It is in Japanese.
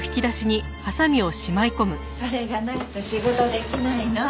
それがないと仕事できないの。